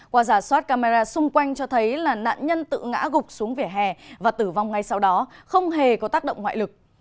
qua giả soát camera xung quanh cho thấy là nạn nhân tự ngã gục xuống vỉa hè và tử vong ngay sau đó không hề có tác động ngoại lực